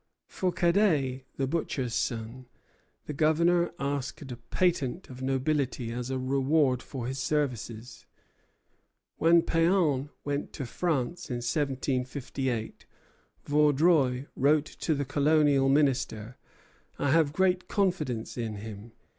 For Cadet, the butcher's son, the Governor asked a patent of nobility as a reward for his services. When Péan went to France in 1758, Vaudreuil wrote to the Colonial Minister: "I have great confidence in him.